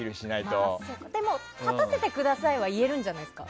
それでも立たせてくださいは言えるんじゃないですか？